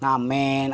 atau hal hal lainnya